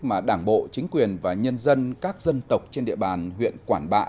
mà đảng bộ chính quyền và nhân dân các dân tộc trên địa bàn huyện quản bạ